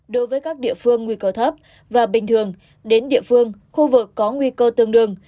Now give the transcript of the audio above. đối với các địa phương nguy cơ thấp và bình thường đến địa phương khu vực có nguy cơ tương đương